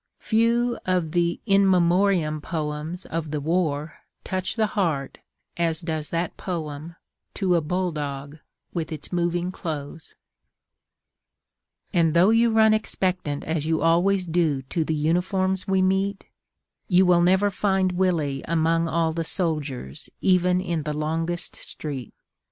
Few of the "in memoriam" poems of the war touch the heart as does that poem, To a Bulldog, with its moving close: And though you run expectant as you always do To the uniforms we meet, You will never find Willy among all the soldiers Even in the longest street.